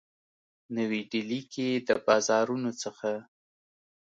نوي ډیلي کي د بازارونو څخه